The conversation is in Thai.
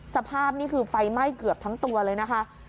สภาพนี่คือไฟไหม้เกือบทั้งตัวเลยนะคะ